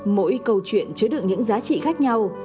mỗi câu chuyện chứa được những giá trị khác nhau